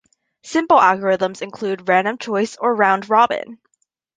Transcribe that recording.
Simple algorithms include random choice or round robin.